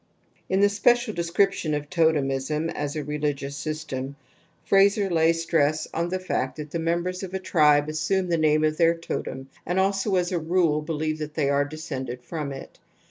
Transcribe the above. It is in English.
In the special description of totemism as a religious system, Frazer lays stress on the fact that the members of a tribe assume the name' of their totem and also as ^ "^ulr hpH^i^P f^i i}u>y are descended from it.